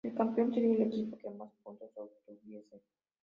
El campeón sería el equipo que más puntos obtuviese.